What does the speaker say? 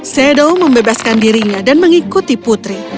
sedow membebaskan dirinya dan mengikuti putri